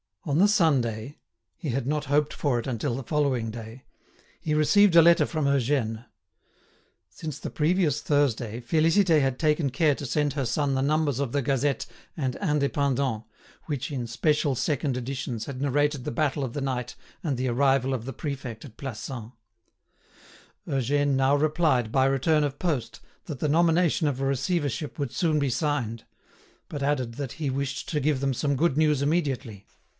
On the Sunday—he had not hoped for it until the following day—he received a letter from Eugène. Since the previous Thursday Félicité had taken care to send her son the numbers of the "Gazette" and "Indépendant" which, in special second editions had narrated the battle of the night and the arrival of the prefect at Plassans. Eugène now replied by return of post that the nomination of a receivership would soon be signed; but added that he wished to give them some good news immediately.